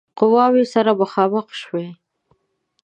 قواوې سره مخامخ شوې.